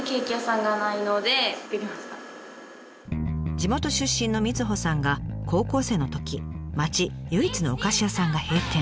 地元出身の瑞穂さんが高校生のとき町唯一のお菓子屋さんが閉店。